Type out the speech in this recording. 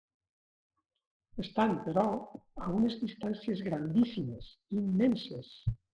Estan, però, a unes distàncies grandíssimes, immenses.